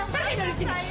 pergi dari sini